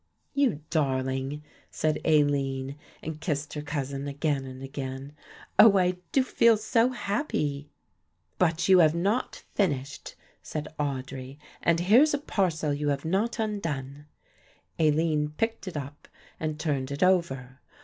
"You darling," said Aline, and kissed her cousin again and again. "Oh, I do feel so happy." "But you have not finished," said Audry, "and here's a parcel you have not undone." Aline picked it up and turned it over.